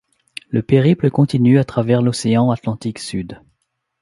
Le périple continue à travers l'océan Atlantique sud.